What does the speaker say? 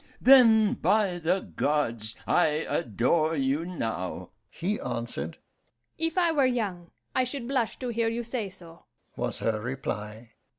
'Then, by the gods, I adore you now,' he answered. 'If I were young, I should blush to hear you say so,' was her reply.